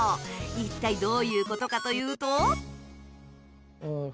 一体どういう事かというと